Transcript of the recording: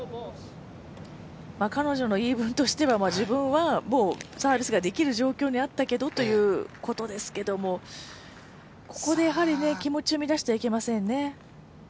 彼女の言い分としては、自分はサービスできる状況にあったけどということですけど、ここで気持ちを乱してはいけませんね。